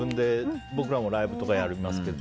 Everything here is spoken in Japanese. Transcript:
僕らもライブをやりますけど。